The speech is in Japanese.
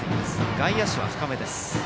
外野手は深めです。